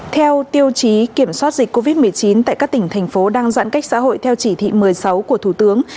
theo tiêu chí kiểm soát dịch covid một mươi chín tại các tỉnh thành phố đang giãn cách xã hội theo chỉ thị một mươi sáu của thủ tướng